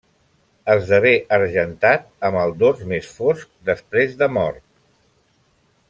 Esdevé argentat amb el dors més fosc després de mort.